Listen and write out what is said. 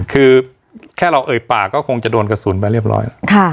คือแค่เราเอ่ยปากก็คงจะโดนกระสุนไปเรียบร้อยแล้ว